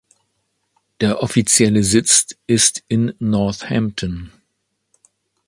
Der offizielle Sitz ist in Northampton.